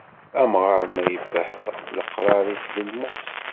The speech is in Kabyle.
Amɣar ma yebbehba, leqrar-is d lmut